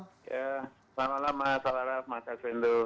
selamat malam mas salam mas arswendo